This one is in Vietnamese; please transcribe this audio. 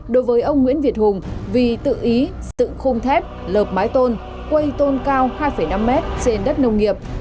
đối với ông nguyễn việt hùng vì tự ý dựng khung thép lợp mái tôn quây tôn cao hai năm mét trên đất nông nghiệp